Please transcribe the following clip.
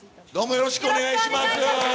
よろしくお願いします。